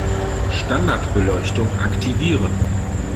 Standardbeleuchtung aktivieren